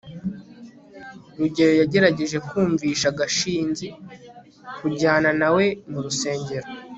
rugeyo yagerageje kumvisha gashinzi kujyana na we mu rusengero